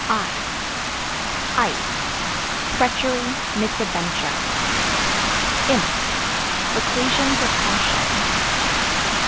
I Ice Treachery, misadventure. Imps Occasion for caution.